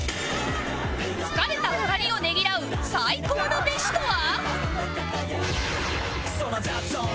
疲れた２人をねぎらう最高の飯とは？